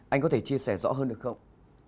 anh có thể chia sẻ rõ hơn được không